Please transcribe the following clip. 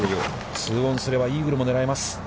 ツーオンすればイーグルも狙えます。